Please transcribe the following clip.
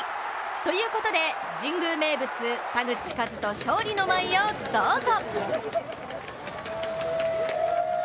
ということで神宮名物田口麗斗、勝利の舞をどうぞ！